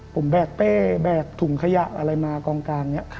ผมแบกเป้แบกถุงขยะอะไรมากองกลางเนี่ย